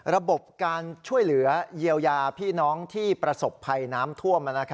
ระบบการช่วยเหลือเยียวยาพี่น้องที่ประสบภัยน้ำท่วม